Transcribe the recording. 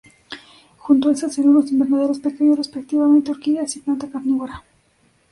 Junto a estas en unos invernaderos pequeños respectivamente, orquídeas y planta carnívora.